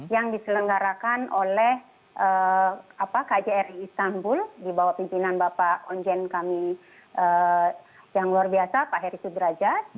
yang diselenggarakan oleh kjri istanbul di bawah pimpinan bapak onjen kami yang luar biasa pak heri sudrajat